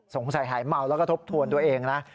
หายเมาแล้วก็ทบทวนตัวเองนะ